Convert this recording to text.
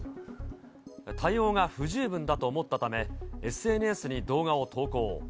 対応が不十分だと思ったため、ＳＮＳに動画を投稿。